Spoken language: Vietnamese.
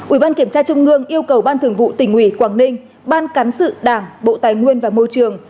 ủy ban kiểm tra trung ương yêu cầu ban thường vụ tỉnh ủy quảng ninh ban cán sự đảng bộ tài nguyên và môi trường